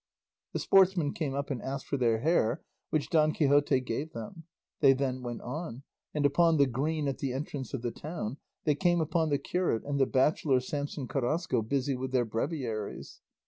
The sportsmen came up and asked for their hare, which Don Quixote gave them. They then went on, and upon the green at the entrance of the town they came upon the curate and the bachelor Samson Carrasco busy with their breviaries.